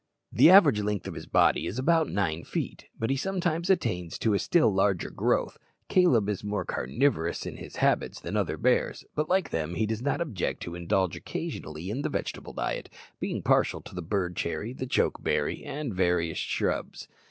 The average length of his body is about nine feet, but he sometimes attains to a still larger growth. Caleb is more carnivorous in his habits than other bears; but, like them, he does not object to indulge occasionally in vegetable diet, being partial to the bird cherry, the choke berry, and various shrubs.